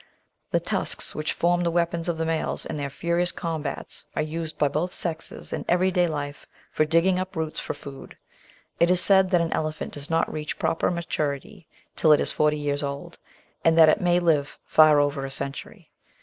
The tusks which form the weapons of the males in their furious combats are used by both sexes in everyday life for digging up roots for food. It is said that an elephant does hot reach proper maturity till it is forty years old, and that it may live far over a century.